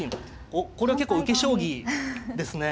おっこれは結構受け将棋ですね。